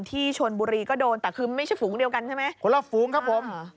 ที่ชนบุรีก็โดนแต่คือไม่ใช่ฝูงเดียวกันใช่ไหมคนละฝูงครับผม